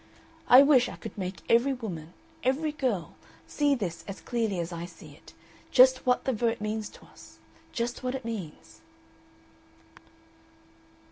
"I wish I could make every woman, every girl, see this as clearly as I see it just what the Vote means to us. Just what it means...."